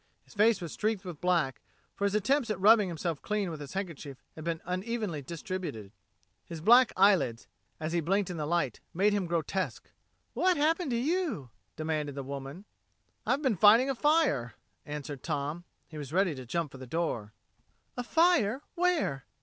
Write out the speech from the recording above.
His face was streaked with black, for his attempts at rubbing himself clean with his handkerchief had been unevenly distributed. His black eyelids, as he blinked in the light, made him grotesque. "What's happened to you?" demanded the woman. "I've been fighting a fire," answered Tom. He was ready to jump for the door. "A fire! Where?"